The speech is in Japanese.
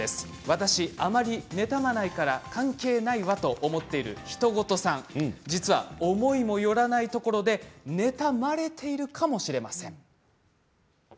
私あまり妬まないから関係ないわと思っているヒトゴトさん実は、思いもよらないところで妬まれているかもしれません。